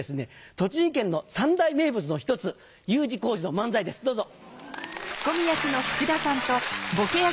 栃木県の三大名物の１つＵ字工事の漫才ですどうぞ。